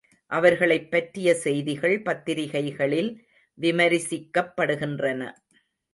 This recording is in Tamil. அவர்களைப் பற்றிய செய்திகள் பத்திரிகைகளில் விமரிசிக்கப்படுகின்றன.